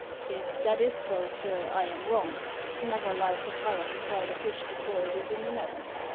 " If that is so, sir, I am wrong. Xever light the fire to fry the fish before it is in the net.